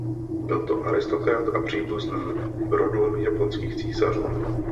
Byl to aristokrat a příbuzný rodu japonských císařů.